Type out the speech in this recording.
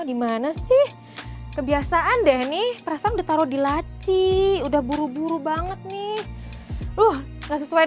dimana sih kebiasaan deh nih rasanya taruh di laci udah buru buru banget nih loh sesuai